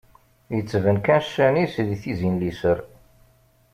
Ittban kan ccan-is di tizi n liser.